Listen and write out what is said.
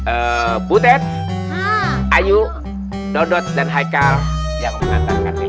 eh butet ayu dodot dan haikal yang mengantarkan ini